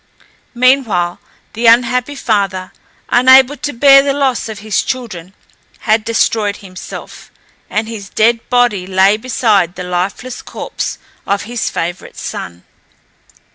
Meanwhile the unhappy father, unable to bear the loss of his children, had destroyed himself, and his dead body lay beside the lifeless corpse of his favourite son.